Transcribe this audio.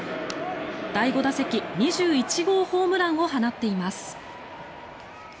第５打席、２１号ホームランを放っています。